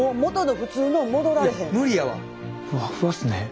ふわっふわっすね。